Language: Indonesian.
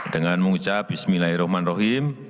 dengan mengucap bismillahirrahmanirrahim